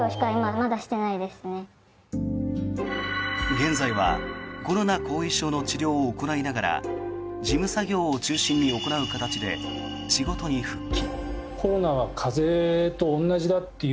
現在はコロナ後遺症の治療を行いながら事務作業を中心に行う形で仕事に復帰。